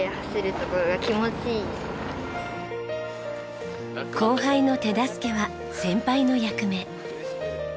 後輩の手助けは先輩の役目。